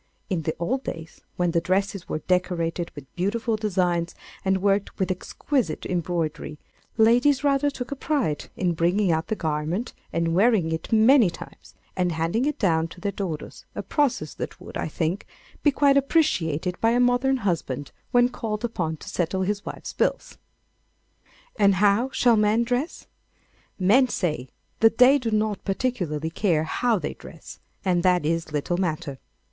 In the old days, when the dresses were decorated with beautiful designs and worked with exquisite embroidery, ladies rather took a pride in bringing out the garment and wearing it many times and handing it down to their daughters—a process that would, I think, be quite appreciated by a modern husband when called upon to settle his wife's bills. And how shall men dress? Men say that they do not particularly care how they dress, and that it is little matter.